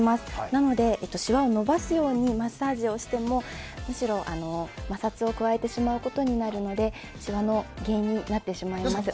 なので、シワを伸ばすようにマッサージをしてもむしろ、摩擦を加えてしまうことになるのでシワの原因になってしまいます。